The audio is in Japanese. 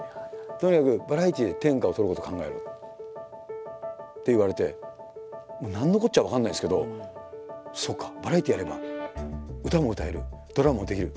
「とにかくバラエティーで天下を取ることを考えろ」って言われて何のこっちゃ分からないですけどそうかバラエティーやれば歌も歌えるドラマもできる。